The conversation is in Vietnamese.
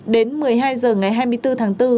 đến một mươi hai h ngày hai mươi bốn tháng bốn